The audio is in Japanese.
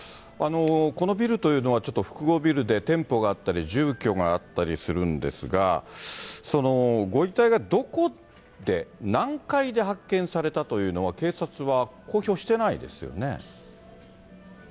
このビルというのはちょっと複合ビルで、店舗があったり住居があったりするんですが、ご遺体がどこで、何階で発見されたというのは、警察は公表してないですよね？